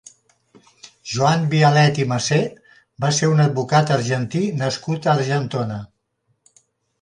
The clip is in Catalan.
Joan Bialet i Massé va ser un advocat argentí nascut a Argentona.